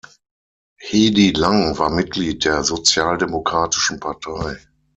Hedi Lang war Mitglied der Sozialdemokratischen Partei.